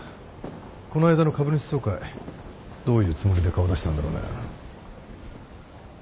この間の株主総会どういうつもりで顔出したんだろうな。